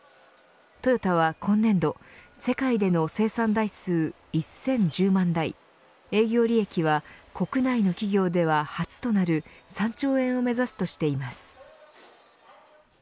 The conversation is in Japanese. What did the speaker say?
トヨタは今年度世界での生産台数１０１０万台営業利益は国内の企業では初となる３兆円を目指すとしています。